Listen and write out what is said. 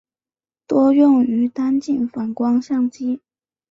多用于单镜反光相机。